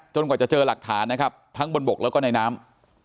กว่าจะเจอหลักฐานนะครับทั้งบนบกแล้วก็ในน้ำ